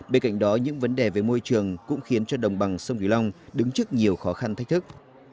bên cạnh đó những vấn đề về môi trường cũng khiến cho đồng bằng sông kỳ long đứng trước nhiều khó khăn thách thức